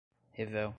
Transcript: revel